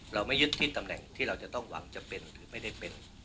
เราไม่ยึดที่ตำแหน่งที่เราจะต้องหวังจะเป็นหรือไม่ได้เป็น